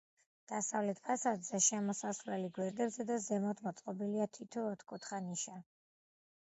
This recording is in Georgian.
დასავლეთ ფასადზე შესასვლელი გვერდებზე და ზემოთ მოწყობილია თითო ოთხკუთხა ნიშა.